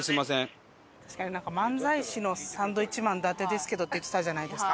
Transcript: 漫才師のサンドウィッチマン伊達ですけどって言ってたじゃないですか。